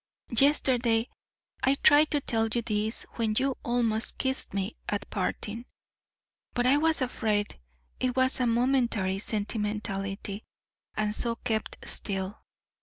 Yesterday I tried to tell you this when you almost kissed me at parting. But I was afraid it was a momentary sentimentality and so kept still.